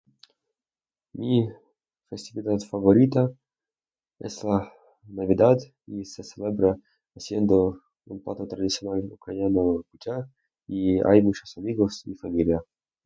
Mi festividad favorita es la Navidad y se celebra haciendo (... talismán...) y hay muchos amigos y familia.